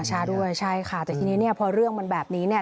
ช้าด้วยใช่ค่ะแต่ทีนี้เนี่ยพอเรื่องมันแบบนี้เนี่ย